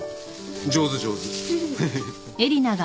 上手上手。